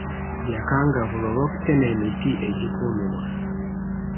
Yakangavvulwa olw'okutema emiti egikuumibwa.